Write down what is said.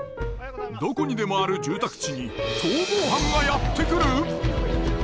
どこにでもある住宅地に逃亡犯がやって来る！？